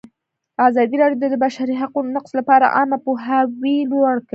ازادي راډیو د د بشري حقونو نقض لپاره عامه پوهاوي لوړ کړی.